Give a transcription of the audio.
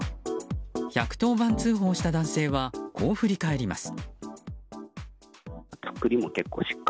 １１０番通報した男性はこう振り返ります。